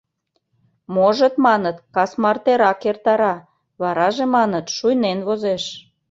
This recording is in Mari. Можыт, маныт, кас мартерак эртара, вараже, маныт, шуйнен возеш...